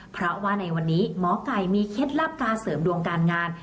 เพราะว่าในวันนี้หมอไก่มีเคล็ดลับการเสริมดวงการงาน